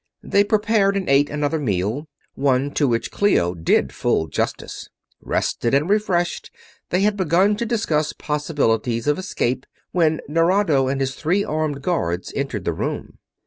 They prepared and ate another meal, one to which Clio did full justice. Rested and refreshed, they had begun to discuss possibilities of escape when Nerado and his three armed guards entered the room.